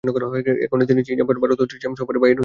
এক্ষণে তিনি চীন, জাপান, শ্যাম ও ভারত সফরে বাহির হইতেছেন।